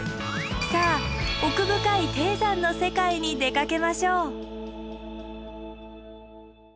さあ奥深い低山の世界に出かけましょう。